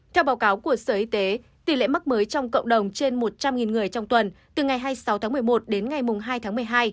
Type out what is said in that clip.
theo báo cáo của sở y tế tỷ lệ mắc mới trong cộng đồng trên một trăm linh người trong tuần từ ngày hai mươi sáu tháng một mươi một đến ngày hai tháng một mươi hai